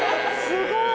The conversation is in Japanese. すごい！